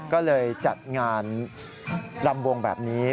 ก็เลยจัดงานรำวงแบบนี้